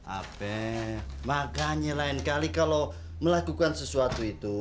ape makanya lain kali kalau melakukan sesuatu itu